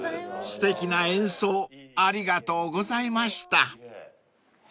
［すてきな演奏ありがとうございました］